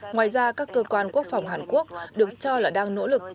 ngoài ra các cơ quan quốc phòng hàn quốc được cho là đang nỗ lực